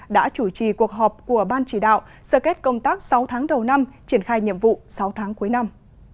đã chủ trì cuộc họp của ban chỉ đạo sở kết công tác sáu tháng đầu năm triển khai nhiệm vụ sáu tháng cuối năm